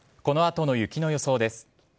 この後の雪の予想です。